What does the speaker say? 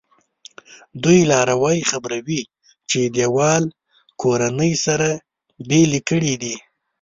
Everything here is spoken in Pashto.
دوی لاروی خبروي چې دیوال کورنۍ سره بېلې کړي دي.